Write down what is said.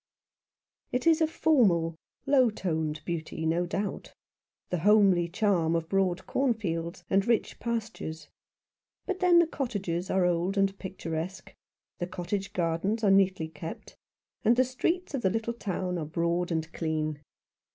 It is a formal, low toned beauty, no doubt, the homely charm of broad cornfields, and rich pastures ; but then the cottages are old and picturesque, the cottage gardens are neatly kept, and the streets of the little town are broad and clean.